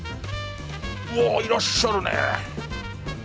うわいらっしゃるね。